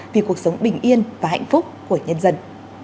vì cuộc sống bình yên và hạnh phúc của nhân dân